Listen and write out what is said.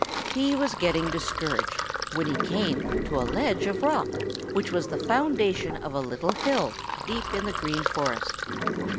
He was getting discouraged when he came to a ledge of rock which was the foundation of a little hill deep in the Green Forest.